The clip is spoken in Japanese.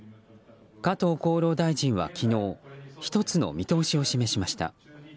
加藤厚労大臣は昨日１つの見通しを示しました。